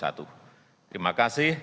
saya berterima kasih